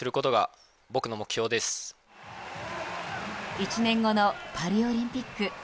１年後のパリオリンピック。